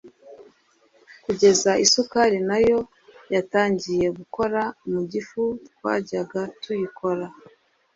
Kugeza isukari nayo yatangiye gukora mugufi twajyaga tuyikora